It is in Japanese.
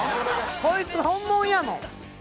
こいつ本物やもん。